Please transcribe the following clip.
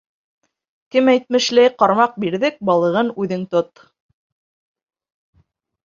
Кем әйтмешләй, ҡармаҡ бирҙек, балығын үҙең тот.